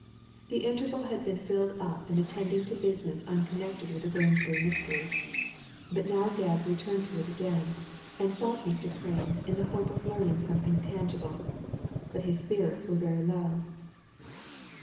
The interval had been filled up in attending to business uncon nected with the Grangebury mystery ; but now Gebb returned to it again, and sought Mr. Prain in the hope of learning something tangible. But his spirits were very low.